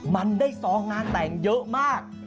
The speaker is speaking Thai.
มันได้ซองงานแต่งเยอะมาก